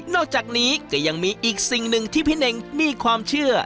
อกจากนี้ก็ยังมีอีกสิ่งหนึ่งที่พี่เน่งมีความเชื่อ